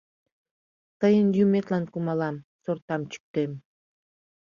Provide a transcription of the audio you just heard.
Тыйын юметлан кумалам, сортам чӱктем.